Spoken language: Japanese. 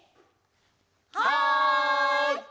はい！